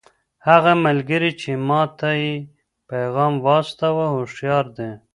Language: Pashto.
هغه ملګری چې ما ته یې پیغام واستاوه هوښیار دی.